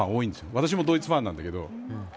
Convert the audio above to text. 私もドイツファンなんだけど。